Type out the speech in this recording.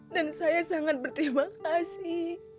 dan saya sangat berterima kasih